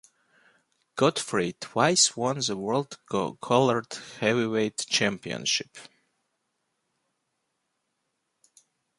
Godfrey twice won the World Colored Heavyweight Championship.